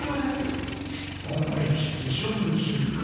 思い切って処分するか。